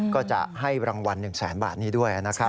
ก็จะให้รางวัล๑แสนบาทนี้ด้วยนะครับ